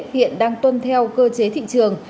hiện đang tuân theo cơ chế thị trường